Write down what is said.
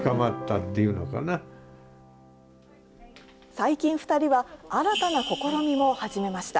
最近２人は、新たな試みも始めました。